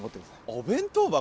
お弁当箱？